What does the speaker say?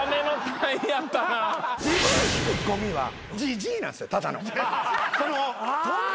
自分引くごみはじじいなんですよただの。